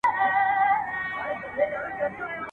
نن سهار له کندهار څخه ..